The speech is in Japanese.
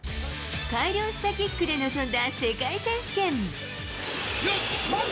改良したキックで臨んだ世界選手権。